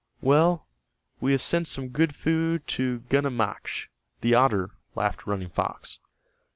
"Well, we have sent some good food to Gunammachk, the otter," laughed Running Fox.